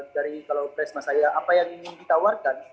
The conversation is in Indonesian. dari kalau presma saya apa yang ingin ditawarkan